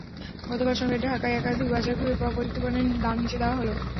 গতকাল শনিবার ঢাকার একাধিক বাজার ঘুরে পাওয়া প্রযুক্তিপণ্যের দাম নিচে দেওয়া হলো।